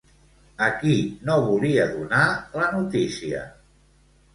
A qui no volia donar la notícia?